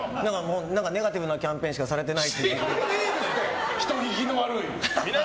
ネガティブなキャンペーンしかされてない。